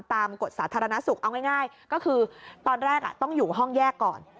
กฎสาธารณสุขเอาง่ายก็คือตอนแรกต้องอยู่ห้องแยกก่อน